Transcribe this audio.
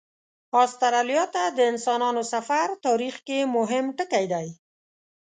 استرالیا ته د انسانانو سفر تاریخ کې مهم ټکی دی.